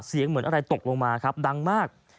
เหมือนอะไรตกลงมาครับดังมาก